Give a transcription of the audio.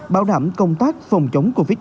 bảo đảm công tác phòng chống covid một mươi chín